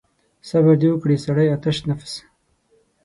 صبر دې وکړي سړی آتش نفس.